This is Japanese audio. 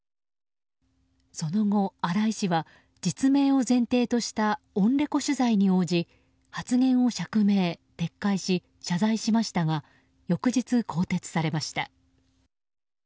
その後、荒井氏は実名を前提としたオンレコ取材に応じ発言を釈明、撤回し謝罪しましたが翌日更迭されました。